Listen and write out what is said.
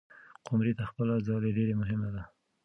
قمري ته خپله ځالۍ ډېره مهمه ده.